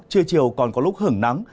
chưa chiều còn có lúc hưởng nắng